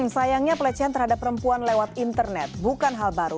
sayangnya pelecehan terhadap perempuan lewat internet bukan hal baru